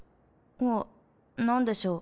はぁ何でしょう？